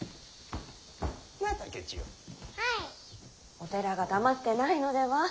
お寺が黙ってないのでは？